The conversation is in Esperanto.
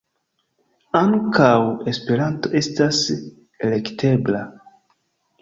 Ankaŭ Esperanto estas elektebla.